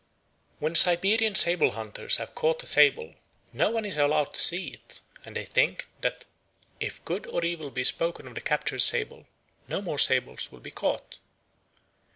When Siberian sable hunters have caught a sable, no one is allowed to see it, and they think that if good or evil be spoken of the captured sable no more sables will be caught.